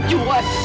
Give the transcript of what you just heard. karena di pit